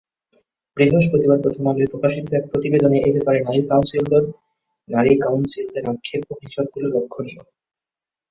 বৃহস্পতিবার প্রথমআলোয় প্রকাশিত এক প্রতিবেদনে এ ব্যাপারে নারী কাউন্সিলরদের আক্ষেপ অভিযোগগুলো লক্ষণীয়।